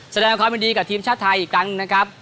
แสดงความยินดีกับทีมชาติไทยอีกครั้งนะครับ